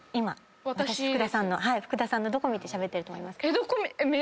福田さんのどこ見てしゃべってると思いますか？